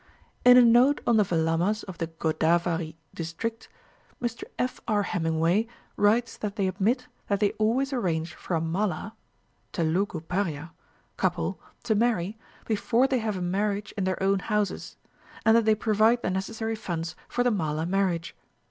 In a note on the Velamas of the Godavari district, Mr F. R. Hemingway writes that they admit that they always arrange for a Mala (Telugu Pariah) couple to marry, before they have a marriage in their own houses, and that they provide the necessary funds for the Mala marriage.